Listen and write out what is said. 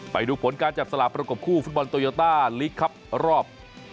ไปดูผลการจับสลากประกบคู่ฟุตบอลโตโยต้าลีกครับรอบ